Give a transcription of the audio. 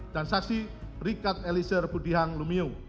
dan saksi rikat elisir budihang lumiu